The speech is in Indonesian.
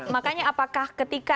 makanya apakah ketika